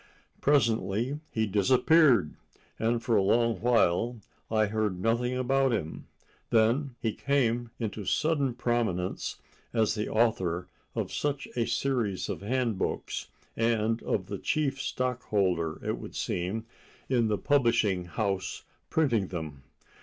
Presently he disappeared, and for a long while I heard nothing about him. Then he came into sudden prominence as the author of such a series of handbooks and as the chief stockholder, it would seem, in the publishing house printing them.